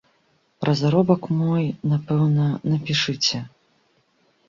Пра заробак мой, напэўна, напішыце.